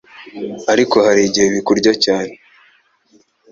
ariko hari igihe bikurya cyane